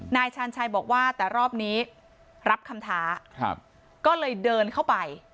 ชาญชัยบอกว่าแต่รอบนี้รับคำท้าก็เลยเดินเข้าไป